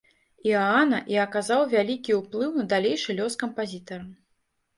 Іаана і аказаў вялікі ўплыў на далейшы лёс кампазітара.